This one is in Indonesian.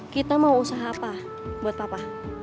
kita mau usaha apa buat papa